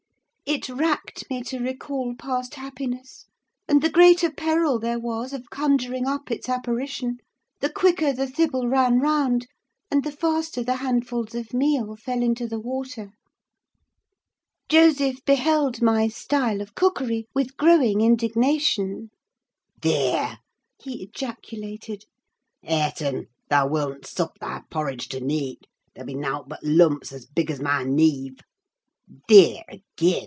It racked me to recall past happiness and the greater peril there was of conjuring up its apparition, the quicker the thible ran round, and the faster the handfuls of meal fell into the water. Joseph beheld my style of cookery with growing indignation. "Thear!" he ejaculated. "Hareton, thou willn't sup thy porridge to neeght; they'll be naught but lumps as big as my neive. Thear, agean!